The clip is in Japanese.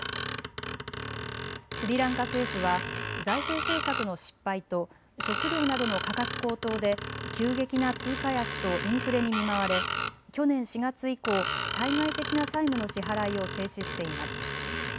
スリランカ政府は財政政策の失敗と食料などの価格高騰で急激な通貨安とインフレに見舞われ去年４月以降、対外的な債務の支払いを停止しています。